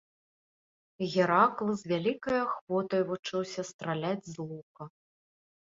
Геракл з вялікай ахвотай вучыўся страляць з лука.